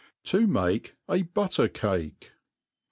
To make a Butter Cake.